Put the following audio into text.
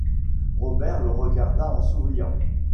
Robert le regarda en souriant.